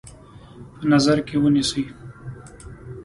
په نظر کې ونیسي.